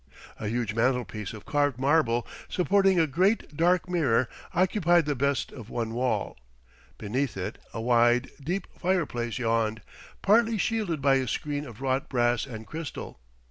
A huge mantelpiece of carved marble, supporting a great, dark mirror, occupied the best of one wall, beneath it a wide, deep fireplace yawned, partly shielded by a screen of wrought brass and crystal.